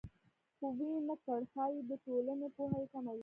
خو ویې نه کړ ښایي د ټولنې پوهه یې کمه وي